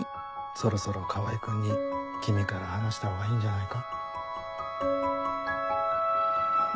そろそろ川合君に君から話したほうがいいんじゃないか？